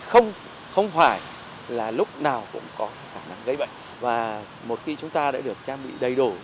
không phải là lúc nào cũng có khả năng gây bệnh và một khi chúng ta đã được trang bị đầy đủ